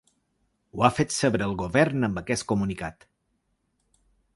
Ho ha fet saber el govern amb aquest comunicat.